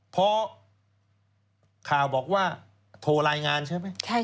เพราะข่าวบอกว่าโทรรายงานใช่ไหม